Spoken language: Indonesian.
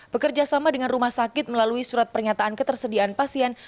bekerjasama dengan rumah sakit melalui surat pernyataan ketersediaan pasien